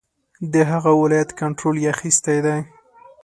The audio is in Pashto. د هغه ولایت کنټرول یې اخیستی دی.